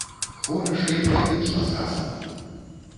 Хораша і паэтычна сказана!